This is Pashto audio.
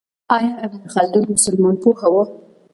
آیا ابن خلدون مسلمان پوه و؟